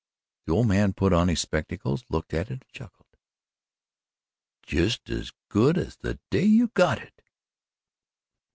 The old man put on his spectacles, looked at it and chuckled: "Just as good as the day you got hit."